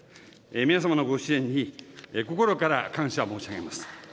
皆様のご支援に心から感謝申し上げます。